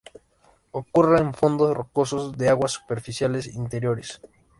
Ocurre en fondos rocosos de aguas superficiales interiores.